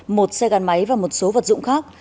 một xe gắn máy và một số vật dụng khác